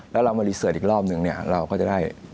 แล้วเรามารีเสิร์ตอีกรอบหนึ่งเนี่ยเราก็จะได้